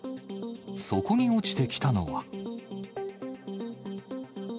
そこに落ちてきたのは。